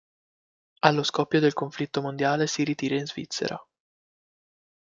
Allo scoppio del conflitto mondiale si ritira in Svizzera.